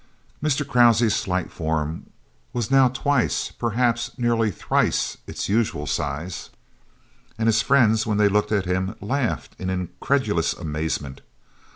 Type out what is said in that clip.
Mr. Krause's slight form was now twice, perhaps nearly thrice its usual size, and his friends, when they looked at him, laughed in incredulous amazement.